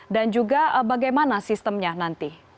dan juga bagaimana sistemnya nanti